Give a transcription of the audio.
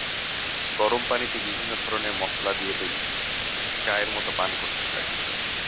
গরম পানিতে বিভিন্ন ধরনের মসলা দিয়ে তৈরি, চায়ের মতো পান করতে হয়।